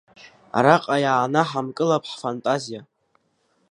Араҟа иаанаҳамкылап ҳфантазиа.